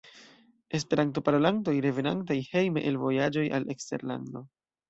Esperanto-parolantoj revenantaj hejme el vojaĝoj al eksterlando.